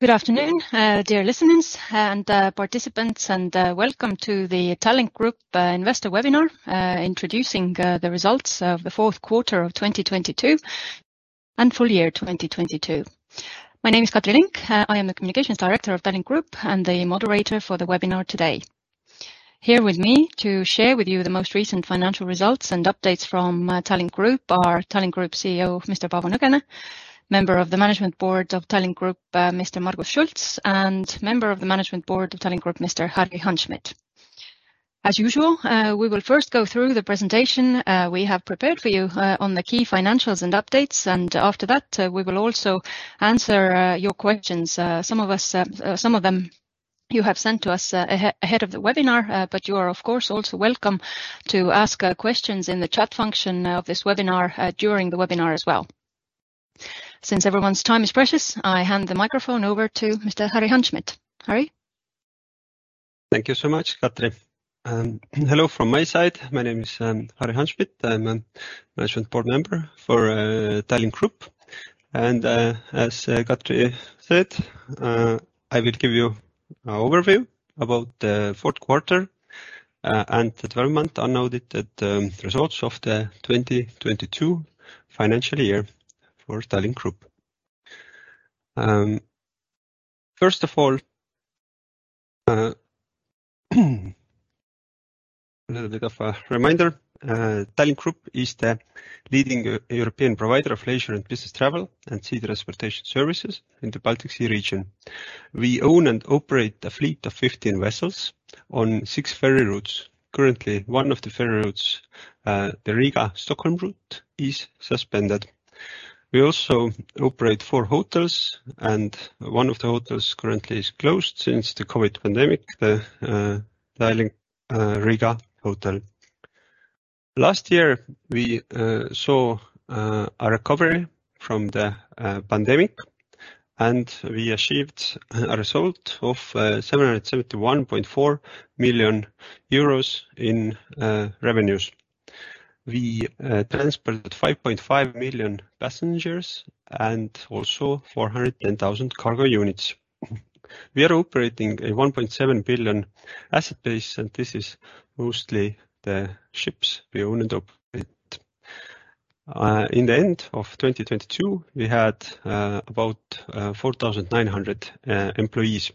Good afternoon, dear listeners and participants, welcome to the Tallink Grupp Investor Webinar introducing the results of the 4th quarter of 2022, and full year 2022. My name is Katri Link. I am the Communications Director of Tallink Grupp and the moderator for the webinar today. Here with me to share with you the most recent financial results and updates from Tallink Grupp are Tallink Grupp CEO, Mr. Paavo Nõgene, Member of the Management Board of Tallink Grupp, Mr. Margus Schults, and Member of the Management Board of Tallink Grupp, Mr. Harri Hanschmidt. As usual, we will first go through the presentation we have prepared for you on the key financials and updates. After that, we will also answer your questions. Some of them you have sent to us ahead of the webinar, but you are of course also welcome to ask questions in the chat function of this webinar during the webinar as well. Since everyone's time is precious, I hand the microphone over to Mr. Harri Hanschmidt. Harri. Thank you so much, Katri. Hello from my side. My name is Harri Hanschmidt. I'm a management board member for Tallink Grupp. As Katri said, I will give you a overview about the fourth quarter and the interim unaudited results of the 2022 financial year for Tallink Grupp. First of all, a little bit of a reminder, Tallink Grupp is the leading European provider of leisure and business travel and sea transportation services in the Baltic Sea region. We own and operate a fleet of 15 vessels on 6 ferry routes. Currently, one of the ferry routes, the Riga-Stockholm route, is suspended. We also operate 4 hotels, and one of the hotels currently is closed since the COVID pandemic, the Tallink Hotel Riga. Last year we saw a recovery from the pandemic and we achieved a result of 771.4 million euros in revenues. We transported 5.5 million passengers and also 410,000 cargo units. We are operating a 1.7 billion asset base, and this is mostly the ships we own and operate. In the end of 2022, we had about 4,900 employees.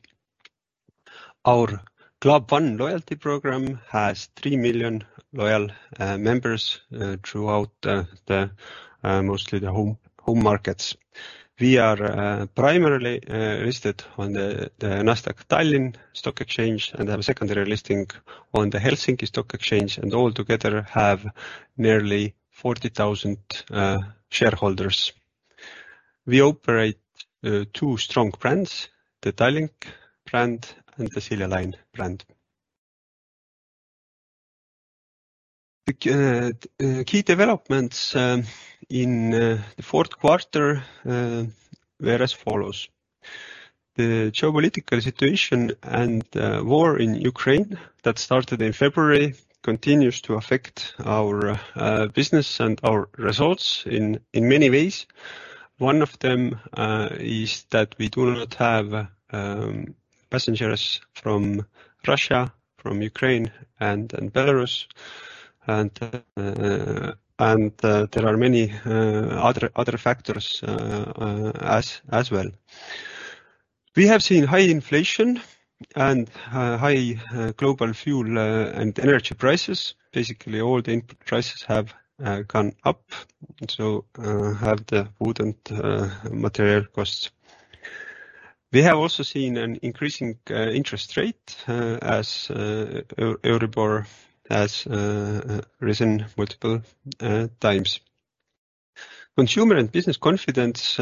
Our Club One loyalty program has 3 million loyal members throughout the mostly the home markets. We are primarily listed on the Nasdaq Tallinn Stock Exchange and have secondary listing on the Helsinki Stock Exchange, and all together have nearly 40,000 shareholders. We operate two strong brands, the Tallink brand and the Silja Line brand. The key developments in the fourth quarter were as follows: The geopolitical situation and war in Ukraine that started in February continues to affect our business and our results in many ways. One of them is that we do not have passengers from Russia, from Ukraine and Belarus. There are many other factors as well. We have seen high inflation and high global fuel and energy prices. Basically all the input prices have gone up, and so have the wooden material costs. We have also seen an increasing interest rate as Euribor has risen multiple times. Consumer and business confidence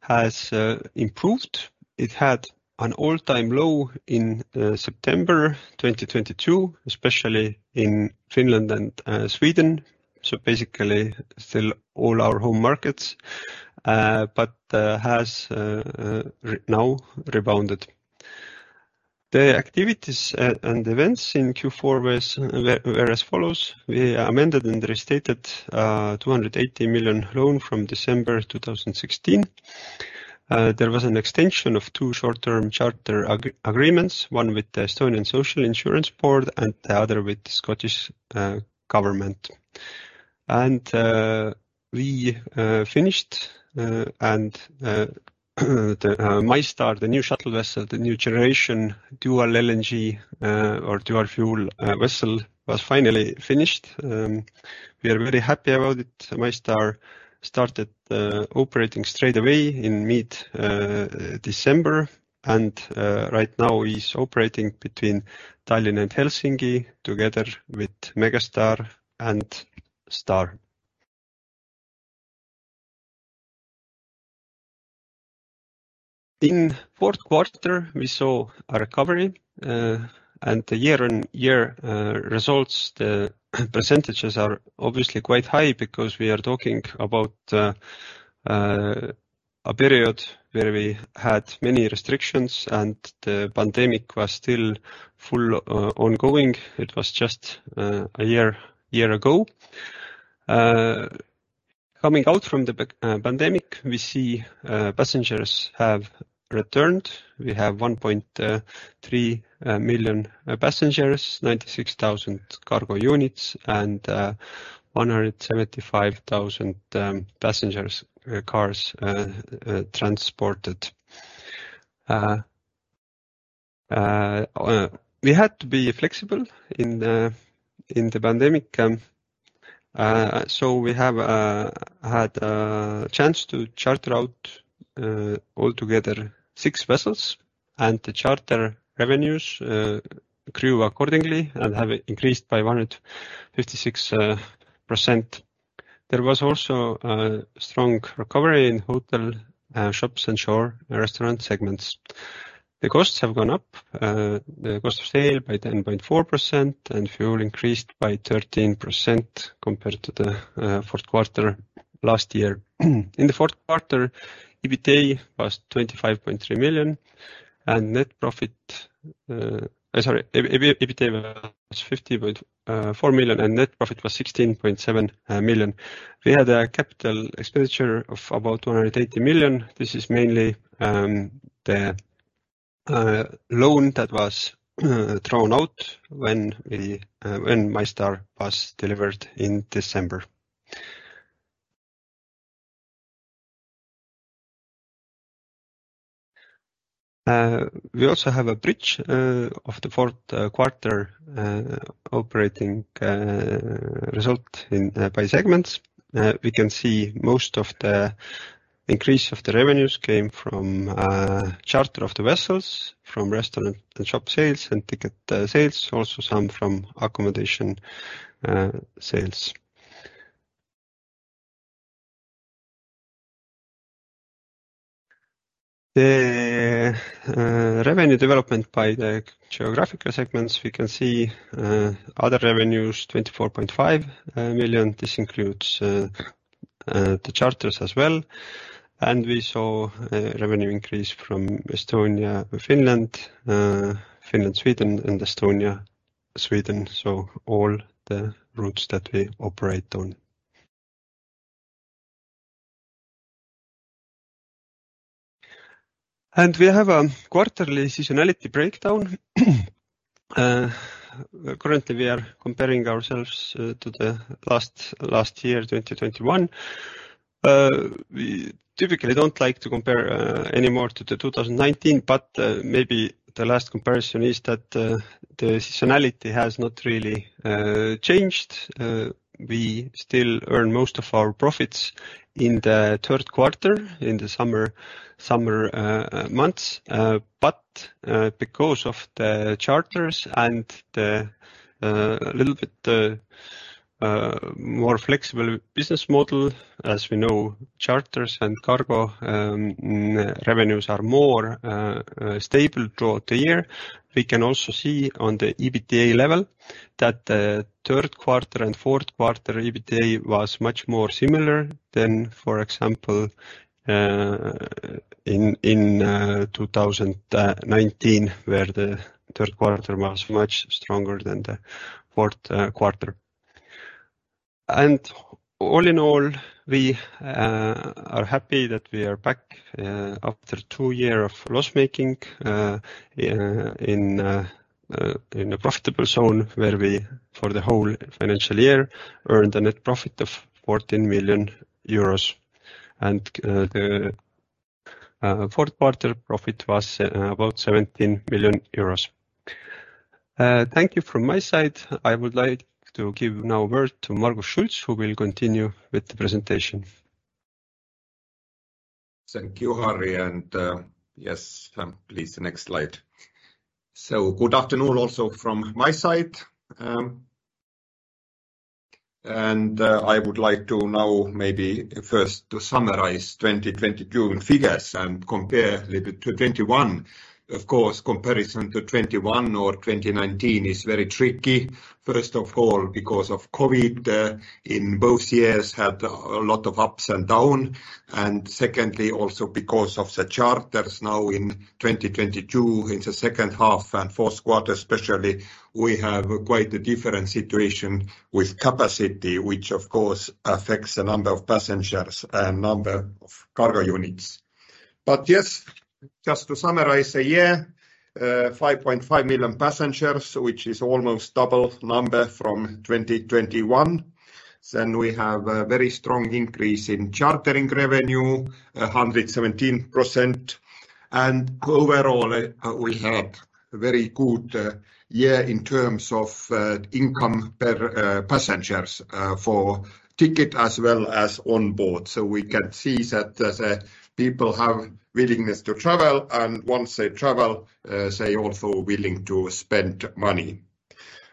has improved. It had an all-time low in September 2022, especially in Finland and Sweden, so basically still all our home markets, but has now rebounded. The activities and events in Q4 were as follows: We amended and restated a 280 million loan from December 2016. There was an extension of two short-term charter agreements, one with the Estonian Social Insurance Board and the other with Scottish Government. We finished and the MyStar, the new shuttle vessel, the new generation dual LNG or dual fuel vessel was finally finished. We are very happy about it. MyStar started operating straight away in mid-December and right now is operating between Tallinn and Helsinki together with Megastar and Star. In fourth quarter we saw a recovery. The year-on-year results, the percentages are obviously quite high because we are talking about a period where we had many restrictions and the pandemic was still full ongoing. It was just a year ago. Coming out from the pandemic, we see passengers have returned. We have 1.3 million passengers, 96,000 cargo units, and 175,000 passengers cars transported. We had to be flexible in the pandemic. We have had chance to charter out altogether six vessels, and the charter revenues grew accordingly and have increased by 156%. There was also a strong recovery in hotel shops and shore restaurant segments. The costs have gone up. The cost of sale by 10.4%, and fuel increased by 13% compared to the fourth quarter last year. In the fourth quarter, EBITDA was 25.3 million. EBITDA was 50.4 million, and net profit was 16.7 million. We had a CapEx of about 280 million. This is mainly the loan that was drawn out when MyStar was delivered in December. We also have a bridge of the fourth quarter operating result in by segments. We can see most of the increase of the revenues came from charter of the vessels, from restaurant and shop sales and ticket sales, also some from accommodation sales. The revenue development by the geographical segments, we can see other revenues, 24.5 million. This includes the charters as well. We saw a revenue increase from Estonia, Finland, Sweden, and Estonia, Sweden, so all the routes that we operate on. We have a quarterly seasonality breakdown. Currently, we are comparing ourselves to the last year, 2021. We typically don't like to compare any more to the 2019, but maybe the last comparison is that the seasonality has not really changed. We still earn most of our profits in the third quarter in the summer months. Because of the charters and the little bit more flexible business model, as we know, charters and cargo revenues are more stable throughout the year. We can also see on the EBITDA level that the third quarter and fourth quarter EBITDA was much more similar than, for example, in 2019, where the third quarter was much stronger than the fourth quarter. All in all, we are happy that we are back after two years of loss-making in a profitable zone where we, for the whole financial year, earned a net profit of 14 million euros. The fourth quarter profit was about 17 million euros. Thank you from my side. I would like to give now word to Margus Schults, who will continue with the presentation. Thank you, Harri. Yes, please, the next slide. Good afternoon also from my side. I would like to now maybe first to summarize 2022 figures and compare little bit to 2021. Of course, comparison to 2021 or 2019 is very tricky. First of all, because of COVID, in both years had a lot of ups and down, and secondly, also because of the charters now in 2022, in the second half and fourth quarter especially, we have quite a different situation with capacity, which of course affects the number of passengers and number of cargo units. Yes, just to summarize the year, 5.5 million passengers, which is almost double number from 2021. We have a very strong increase in chartering revenue, 117%. Overall, we had a very good year in terms of income per passengers for ticket as well as on board. We can see that the people have willingness to travel, and once they travel, they also willing to spend money.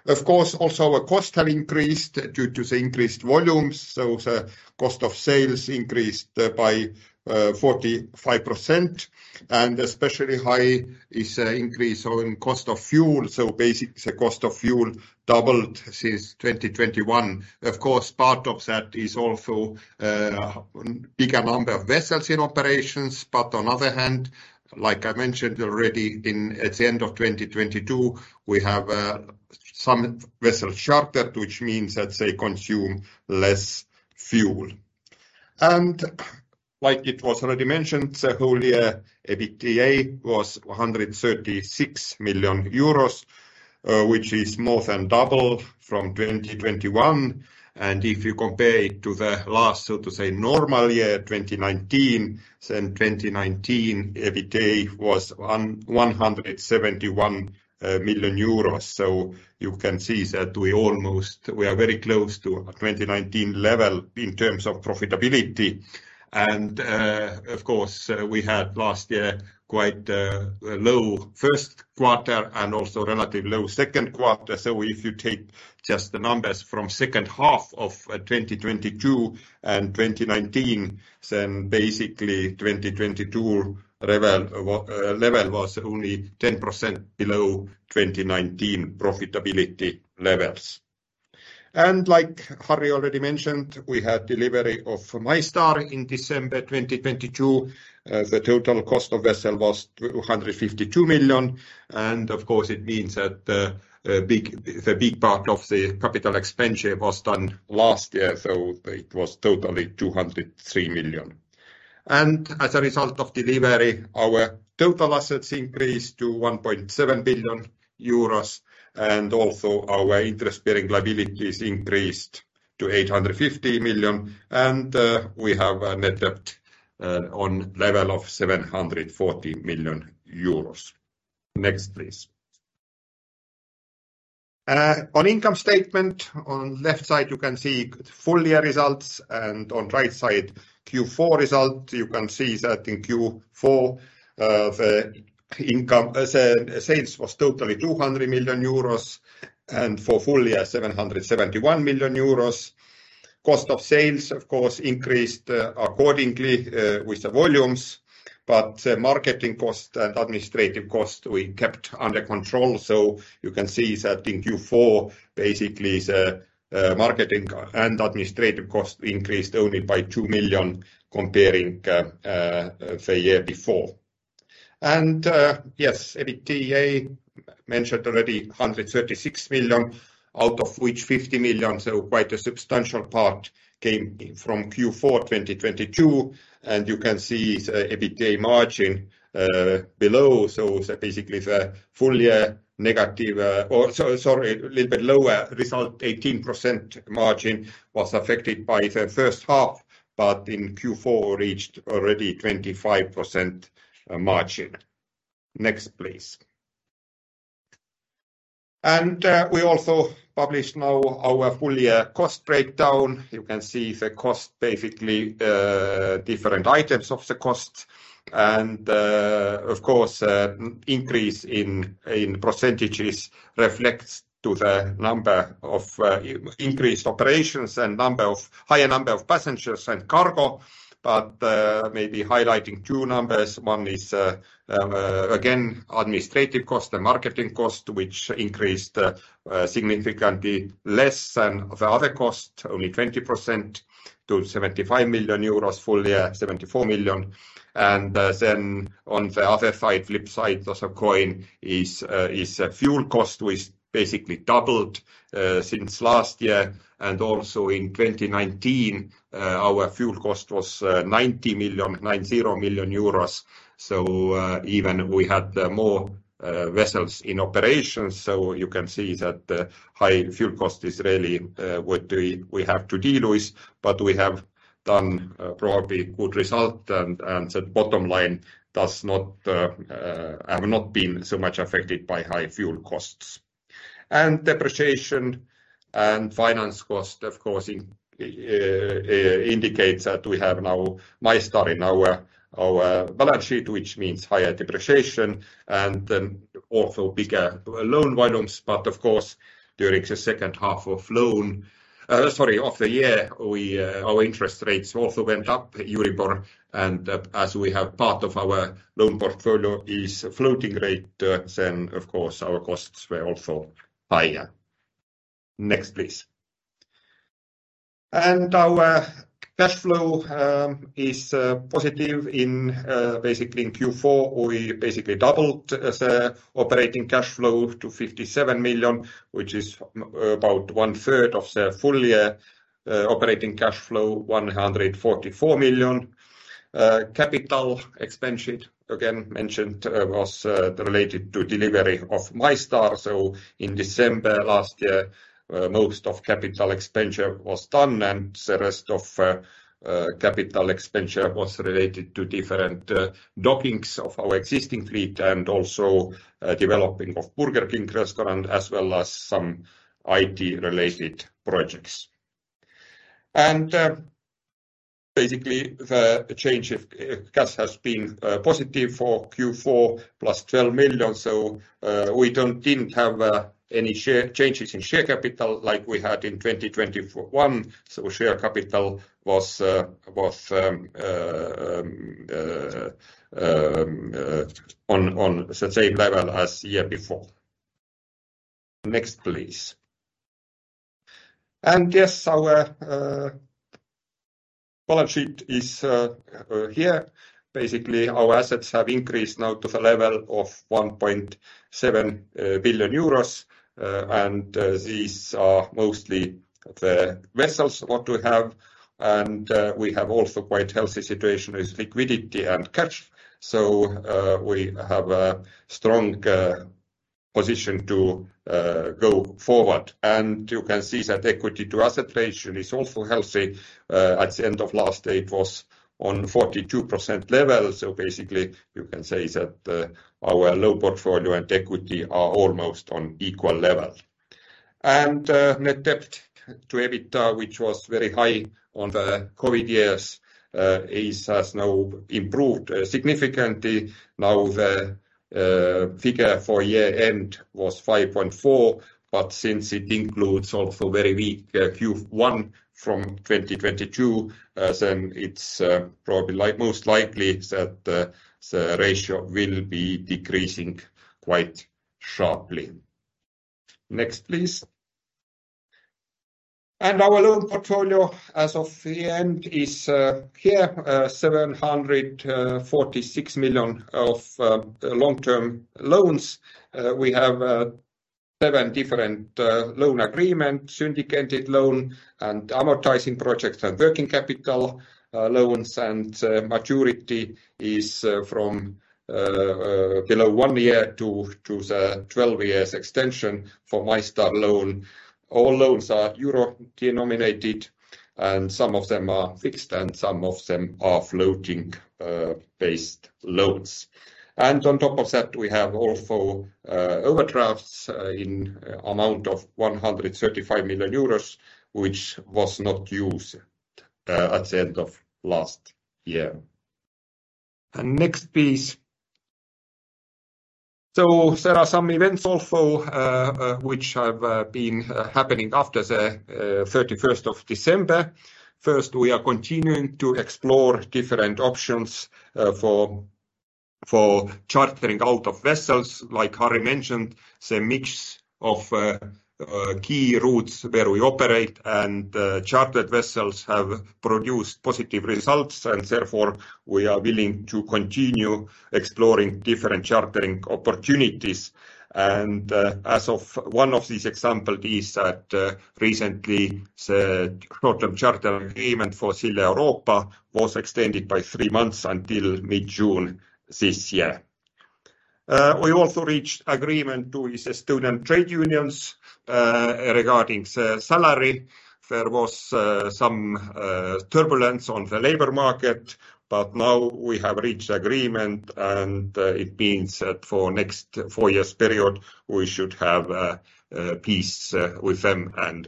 Of course, also our costs have increased due to the increased volumes. The cost of sales increased by 45%, and especially high is increase on cost of fuel. Basically, the cost of fuel doubled since 2021. Of course, part of that is also bigger number of vessels in operations. On other hand, like I mentioned already at the end of 2022, we have some vessel charter, which means that they consume less fuel. Like it was already mentioned, the whole year EBITDA was 136 million euros, which is more than double from 2021. If you compare it to the last, so to say, normal year, 2019, then 2019 EBITDA was 171 million euros. You can see that we are very close to our 2019 level in terms of profitability. Of course, we had last year quite low first quarter and also relatively low second quarter. If you take just the numbers from second half of 2022 and 2019, basically 2022 level was only 10% below 2019 profitability levels. Like Harri already mentioned, we had delivery of MyStar in December 2022. The total cost of vessel was 252 million, and of course it means that the big part of the capital expenditure was done last year, so it was totally 203 million. As a result of delivery, our total assets increased to 1.7 billion euros and also our interest-bearing liabilities increased to 850 million. We have a net debt on level of 740 million euros. Next, please. On income statement, on left side you can see full year results and on right side Q4 results. You can see that in Q4, the income as sales was totally 200 million euros and for full year 771 million euros. Cost of sales, of course, increased accordingly, with the volumes, but marketing costs and administrative costs we kept under control. You can see that in Q4 basically the marketing and administrative costs increased only by 2 million comparing the year before. Yes, EBITDA mentioned already 136 million, out of which 50 million, so quite a substantial part came from Q4 2022. You can see the EBITDA margin below. Basically the full year negative, sorry, a little bit lower result, 18% margin was affected by the first half, but in Q4 reached already 25% margin. Next, please. We also published now our full year cost breakdown. You can see the cost, basically, different items of the cost. Of course, increase in percentages reflects to the number of increased operations and higher number of passengers and cargo. Maybe highlighting 2 numbers. One is, again, administrative cost and marketing cost, which increased significantly less than the other costs, only 20% to 75 million euros full year, 74 million. Then on the other side, flip side of the coin is fuel cost, which basically doubled since last year. Also in 2019, our fuel cost was 90 million. Even we had more vessels in operation. You can see that the high fuel cost is really what we have to deal with. We have done probably good result and the bottom line does not have not been so much affected by high fuel costs. Depreciation and finance cost of course indicates that we have now MyStar in our balance sheet, which means higher depreciation and then also bigger loan volumes. Of course, during the second half of the year, our interest rates also went up, Euribor. As we have part of our loan portfolio is floating rate, then of course our costs were also higher. Next, please. Our cash flow is positive in basically in Q4. We basically doubled the operating cash flow to 57 million, which is about one third of the full year operating cash flow, 144 million. Capital expenditure, again mentioned, was related to delivery of MyStar. In December last year, most of capital expenditure was done and the rest of capital expenditure was related to different dockings of our existing fleet and also developing of Burger King restaurant as well as some IT related projects. Basically the change of cash has been positive for Q4, + 12 million. We didn't have any changes in share capital like we had in 2021. Share capital was on the same level as the year before. Next, please. Yes, our balance sheet is here. Basically, our assets have increased now to the level of 1.7 billion euros. These are mostly the vessels, what we have. We have also quite healthy situation with liquidity and cash. We have a strong position to go forward. You can see that equity to asset ratio is also healthy. At the end of last day, it was on 42% level. Basically, you can say that our loan portfolio and equity are almost on equal level. Net debt to EBITDA, which was very high on the COVID years, has now improved significantly. The figure for year-end was 5.4, but since it includes also very weak Q1 from 2022, then it's probably most likely that the ratio will be decreasing quite sharply. Next, please. Our loan portfolio as of the end is here 746 million of long-term loans. We have seven different loan agreements, syndicated loan, and amortizing projects and working capital loans. Maturity is from below one year to the 12 years extension for MyStar loan. All loans are euro-denominated, and some of them are fixed, and some of them are floating based loans. On top of that, we have also overdrafts in amount of 135 million euros, which was not used at the end of last year. Next, please. There are some events also which have been happening after the 31st of December. First, we are continuing to explore different options for chartering out of vessels. Like Harry mentioned, the mix of key routes where we operate and chartered vessels have produced positive results, and therefore, we are willing to continue exploring different chartering opportunities. As of one of these example is that recently, the short-term charter agreement for Silja Europa was extended by 3 months until mid-June this year. We also reached agreement with the student trade unions regarding the salary. There was some turbulence on the labor market, but now we have reached agreement, and it means that for next four years period, we should have peace with them and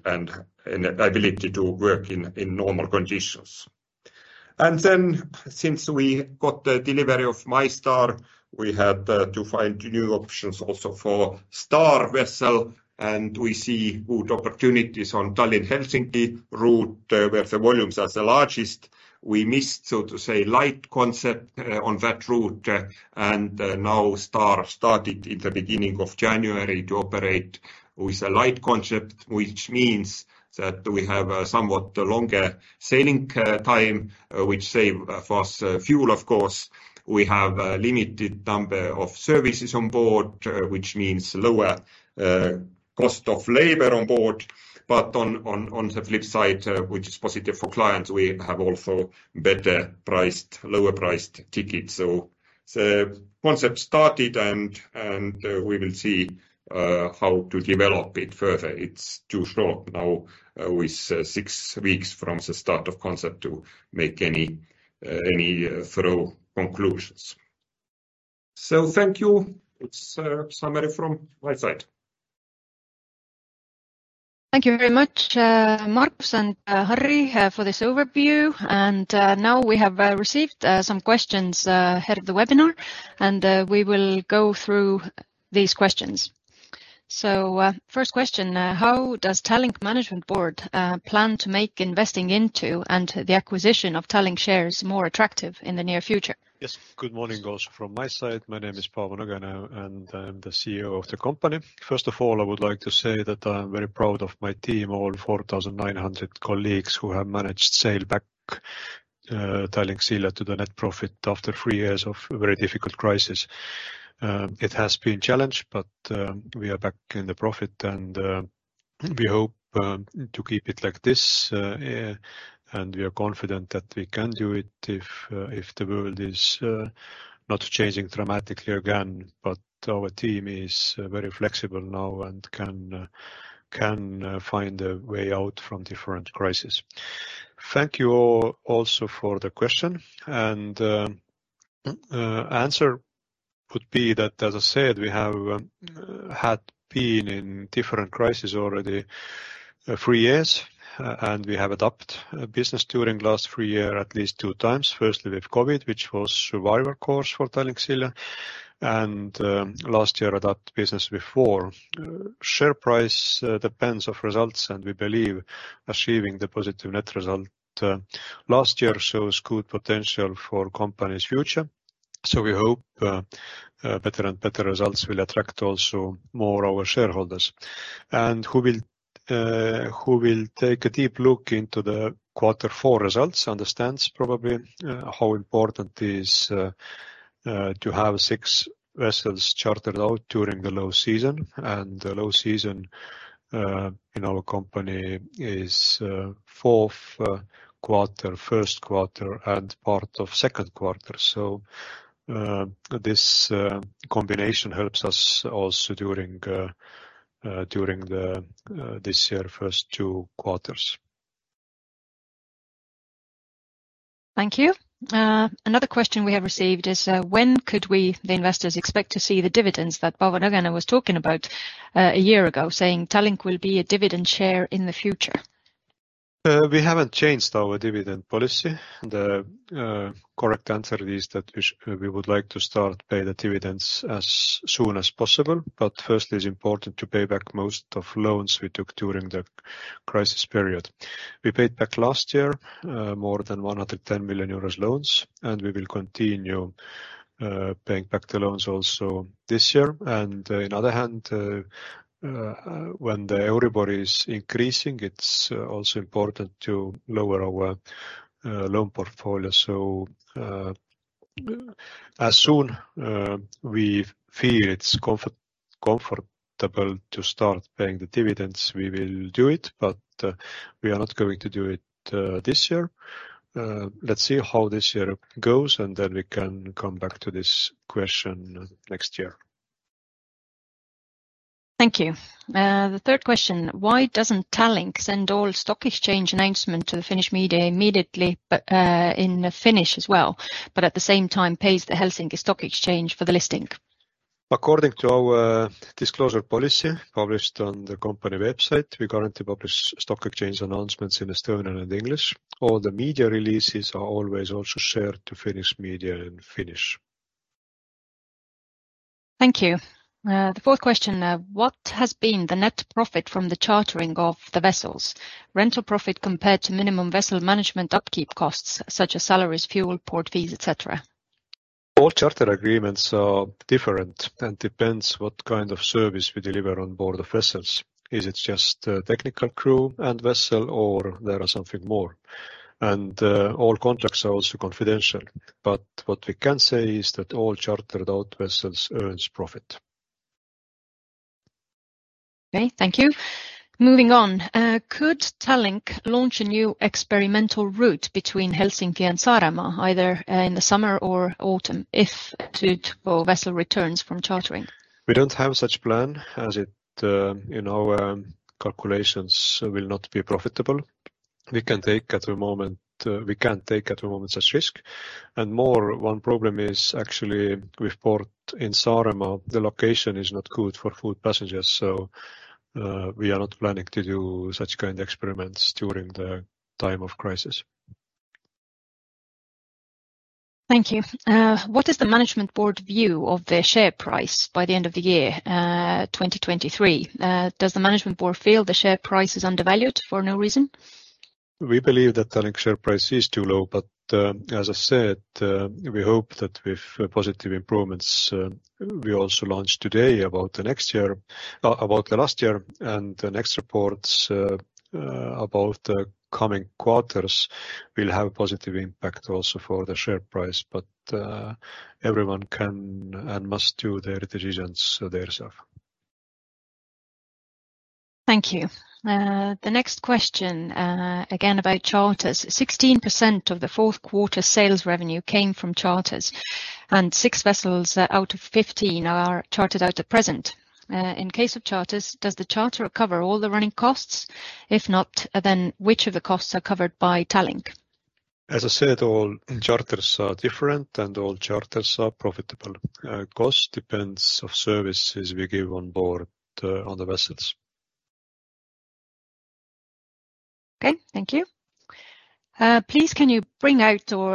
an ability to work in normal conditions. Since we got the delivery of MyStar, we had to find new options also for Star vessel, and we see good opportunities on Tallinn-Helsinki route, where the volumes are the largest. We missed, so to say, light concept on that route, and now Star started in the beginning of January to operate with a light concept, which means that we have a somewhat longer sailing time, which save for us fuel, of course. We have a limited number of services on board, which means lower cost of labor on board. On the flip side, which is positive for clients, we have also lower-priced tickets. The concept started and we will see how to develop it further. It's too short now, with six weeks from the start of concept to make any thorough conclusions. Thank you. It's a summary from my side. Thank you very much, Margus and Harri, for this overview. Now we have received some questions ahead of the webinar, and we will go through these questions. First question: How does Tallink Management Board plan to make investing into and the acquisition of Tallink shares more attractive in the near future? Yes. Good morning also from my side. My name is Paavo Nõgene and I'm the CEO of the company. First of all, I would like to say that I'm very proud of my team, all 4,900 colleagues who have managed sail back Tallink Silja to the net profit after 3 years of very difficult crisis. It has been a challenge, but we are back in the profit and we hope to keep it like this, and we are confident that we can do it if the world is not changing dramatically again. Our team is very flexible now and can find a way out from different crisis. Thank you all also for the question. Answer would be that, as I said, we have had been in different crisis already, 3 years, and we have adapt business during last 3 year at least 2 times. Firstly, with COVID, which was survival course for Tallink Silja, and last year adapt business before. Share price depends of results, and we believe achieving the positive net result last year shows good potential for company's future. We hope better and better results will attract also more our shareholders. Who will take a deep look into the quarter 4 results understands probably how important is to have 6 vessels chartered out during the low season. The low season in our company is fourth quarter, first quarter, and part of second quarter. This combination helps us also during the this year first two quarters. Thank you. Another question we have received is, when could we, the investors, expect to see the dividends that Paavo Nõgene was talking about a year ago saying Tallink will be a dividend share in the future? We haven't changed our dividend policy. The correct answer is that we would like to start pay the dividends as soon as possible, but firstly, it's important to pay back most of loans we took during the crisis period. We paid back last year more than 110 million euros loans, and we will continue paying back the loans also this year. In other hand, when the Euribor is increasing, it's also important to lower our loan portfolio. As soon we feel it's comfortable to start paying the dividends, we will do it, but we are not going to do it this year. Let's see how this year goes, and then we can come back to this question next year. Thank you. The third question, why doesn't Tallink send all stock exchange announcement to the Finnish media immediately, but, in Finnish as well, but at the same time, pays the Helsinki Stock Exchange for the listing? According to our disclosure policy published on the company website, we currently publish stock exchange announcements in Estonian and English. All the media releases are always also shared to Finnish media in Finnish. Thank you. The fourth question, what has been the net profit from the chartering of the vessels? Rental profit compared to minimum vessel management upkeep costs, such as salaries, fuel, port fees, et cetera. All charter agreements are different and depends what kind of service we deliver on board of vessels. Is it just technical crew and vessel or there are something more? All contracts are also confidential. What we can say is that all chartered-out vessels earns profit. Okay, thank you. Moving on, could Tallink launch a new experimental route between Helsinki and Saaremaa either, in the summer or autumn if suitable vessel returns from chartering? We don't have such plan as it, in our calculations will not be profitable. We can take at the moment, we can't take at the moment such risk. More one problem is actually with port in Saaremaa, the location is not good for foot passengers. We are not planning to do such kind of experiments during the time of crisis. Thank you. What is the management board view of the share price by the end of the year, 2023? Does the management board feel the share price is undervalued for no reason? We believe that Tallink share price is too low, but, as I said, we hope that with positive improvements, we also launched today about the next year, about the last year, and the next reports, about the coming quarters will have a positive impact also for the share price. Everyone can and must do their decisions themselves. Thank you. The next question, again about charters. 16% of the fourth quarter sales revenue came from charters. Six vessels out of 15 are chartered out at present. In case of charters, does the charter cover all the running costs? If not, then which of the costs are covered by Tallink? As I said, all charters are different, and all charters are profitable. Cost depends of services we give on board, on the vessels. Okay, thank you. please can you bring out or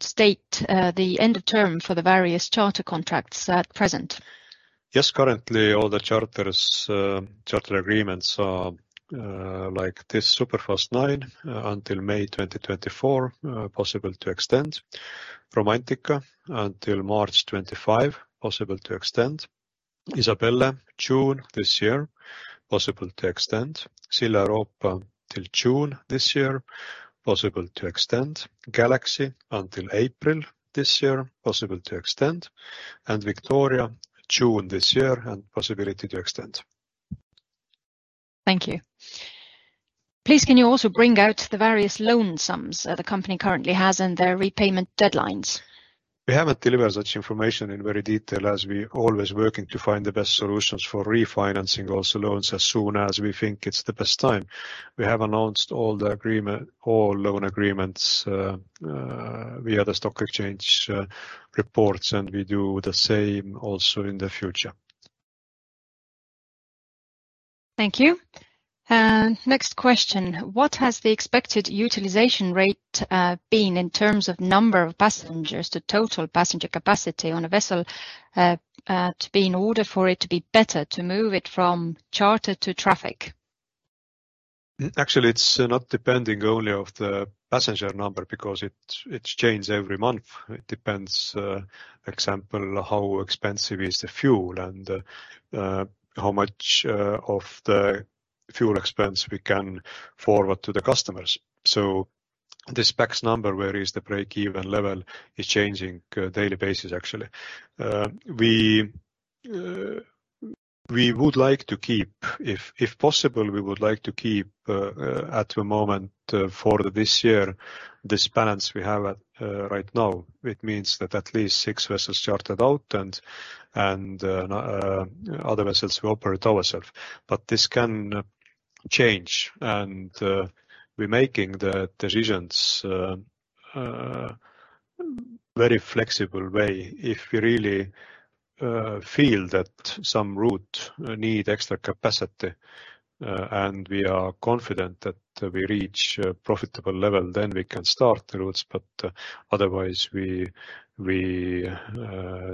state the end of term for the various charter contracts at present? Yes. Currently, all the charters, charter agreements are like this Superfast IX until May 2024, possible to extend. Romantika until March 2025, possible to extend. Isabelle, June this year, possible to extend. Silja Europa till June this year, possible to extend. Galaxy until April this year, possible to extend. Victoria, June this year, and possibility to extend. Thank you. Please, can you also bring out the various loan sums, the company currently has and their repayment deadlines? We haven't delivered such information in very detail as we always working to find the best solutions for refinancing also loans as soon as we think it's the best time. We have announced all the agreement, all loan agreements via the stock exchange reports. We do the same also in the future. Thank you. Next question. What has the expected utilization rate, been in terms of number of passengers to total passenger capacity on a vessel, to be in order for it to be better to move it from charter to traffic? Actually, it's not depending only of the passenger number because it's changed every month. It depends, example, how expensive is the fuel and how much of the fuel expense we can forward to the customers. This PAX number, where is the break-even level, is changing daily basis, actually. We would like to keep... If possible, we would like to keep at the moment for this year, this balance we have right now. It means that at least six vessels chartered out and other vessels we operate ourself. This can change and we're making the decisions very flexible way. If we really feel that some route need extra capacity and we are confident that we reach a profitable level, then we can start the routes. Otherwise, we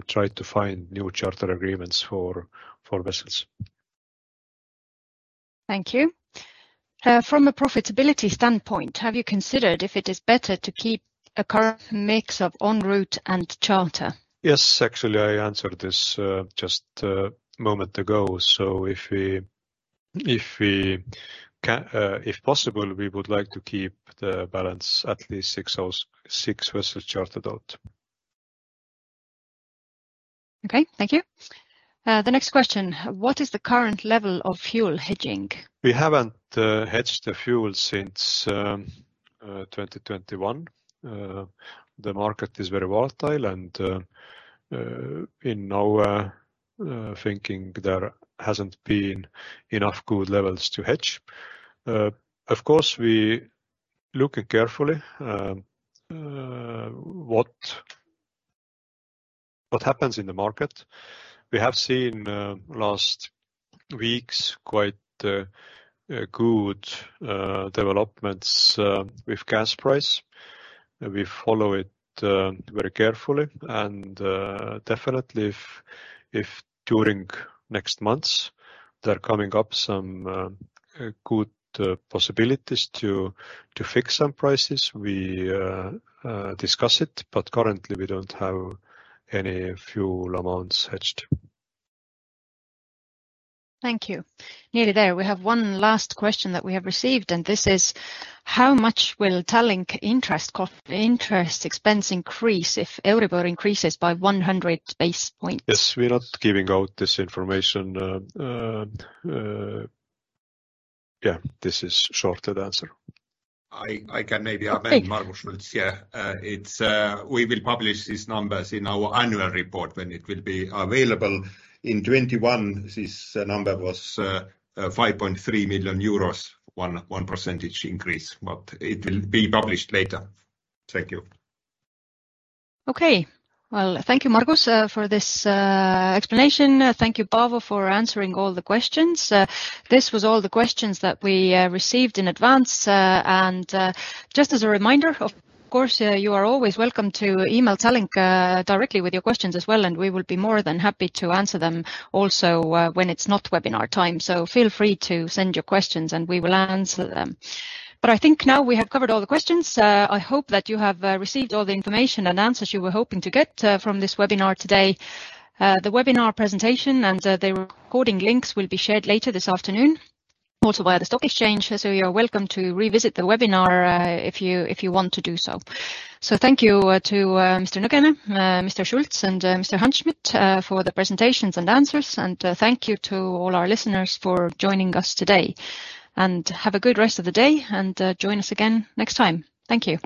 try to find new charter agreements for vessels. Thank you. From a profitability standpoint, have you considered if it is better to keep a current mix of en route and charter? Yes. Actually, I answered this just a moment ago. If possible, we would like to keep the balance at least six vessels chartered out. Okay. Thank you. The next question: What is the current level of fuel hedging? We haven't hedged the fuel since 2021. The market is very volatile and in our thinking, there hasn't been enough good levels to hedge. Of course, we looking carefully what happens in the market. We have seen last weeks quite good developments with gas price. We follow it very carefully and definitely if during next months, they're coming up some good possibilities to fix some prices, we discuss it. Currently, we don't have any fuel amounts hedged. Thank you. Nearly there. We have one last question that we have received, and this is: How much will Tallink interest expense increase if Euribor increases by 100 basis points? Yes. We're not giving out this information. Yeah, this is short answer. I can maybe amend-. Okay... Margus Schults. Yeah. It's, we will publish these numbers in our annual report when it will be available. In 2021, this number was 5.3 million euros, 1% increase. It will be published later. Thank you. Okay. Well, thank you, Margus, for this explanation. Thank you, Paavo, for answering all the questions. This was all the questions that we received in advance. Just as a reminder, of course, you are always welcome to email Tallink directly with your questions as well, and we will be more than happy to answer them also when it's not webinar time. Feel free to send your questions, and we will answer them. I think now we have covered all the questions. I hope that you have received all the information and answers you were hoping to get from this webinar today. The webinar presentation and the recording links will be shared later this afternoon also via the stock exchange. You're welcome to revisit the webinar if you want to do so. Thank you to Mr. Nõgene, Mr. Schults, and Mr. Hanschmidt for the presentations and answers, and thank you to all our listeners for joining us today. Have a good rest of the day, and join us again next time. Thank you.